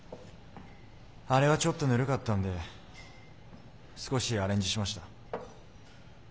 あれはちょっとヌルかったんで少しアレンジしました。